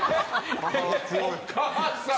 お母さん！